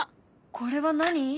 これは何？